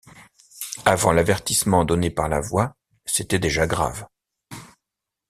Avant l’avertissement donné par la voix, c’était déjà grave.